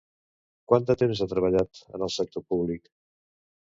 Quant de temps ha treballat en el sector públic?